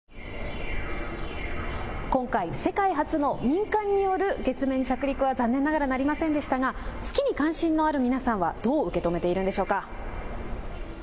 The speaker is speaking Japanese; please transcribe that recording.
今回、世界初の民間による月面着陸は残念ながらなりませんでしたが月に関心のある皆さんはどう受け止めているのでしょうか。